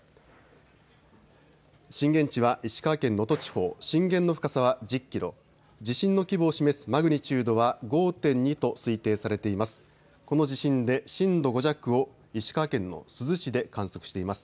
震源地は石川県能登地方、震源の深さは１０キロ、地震の規模を示すマグニチュードは５．２と推定されています。